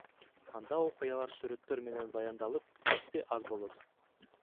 Анда окуялар сүрөттөр менен баяндалып, тексти аз болот.